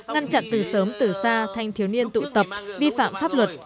ngăn chặn từ sớm từ xa thanh thiếu niên tụ tập vi phạm pháp luật